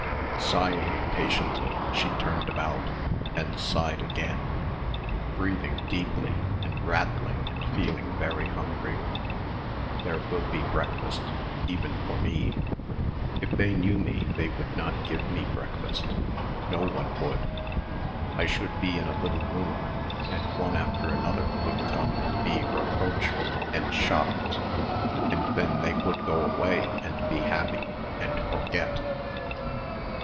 Sighing impatiently she turned about ... and sighed again, breathing deeply and rattling and feeling very hungry.... There will be breakfast, even for me.... If they knew me they would not give me breakfast.... No one would ... I should be in a little room and one after another would come and be reproachful and shocked ... and then they would go away and be happy and forget....